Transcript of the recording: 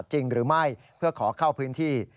จริงหรือไม่เพื่อขอเข้าพื้นที่